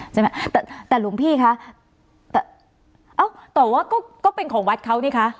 ใช่ไหมแต่แต่หลวงพี่คะแต่เอ้าแต่ว่าก็ก็เป็นของวัดเขานี่คะ